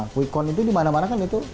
quick count itu dimana mana kan itu